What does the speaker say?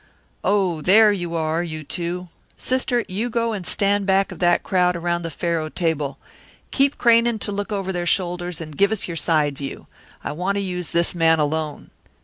"Oh, there you are, you two. Sister, you go and stand back of that crowd around the faro table. Keep craning to look over their shoulders, and give us your side view. I want to use this man alone.